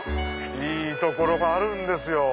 いい所があるんですよ。